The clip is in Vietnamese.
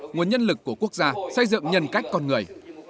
nguồn nhân lực của quốc gia xây dựng nhân cách con người